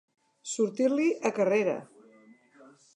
Sortir-li a carrera.